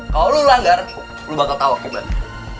kalau lo langgar lo bakal tawa kebanyakan